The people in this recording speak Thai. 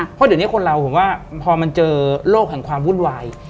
เพราะเดี๋ยวนี้คนเราผมว่าพอมันเจอโลกแห่งความวุ่นวาย